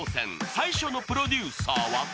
最初のプロデューサーは］